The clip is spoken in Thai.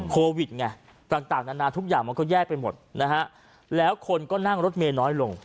โควิดไงต่างนานาทุกอย่างมันก็แย่ไปหมดนะฮะแล้วคนก็นั่งรถเมย์น้อยลง